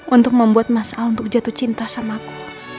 untuk membuat masalah untuk jatuh cinta sama aku